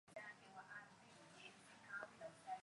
katika wiki za karibuni na ni nyongeza ya wanajeshi wa Marekani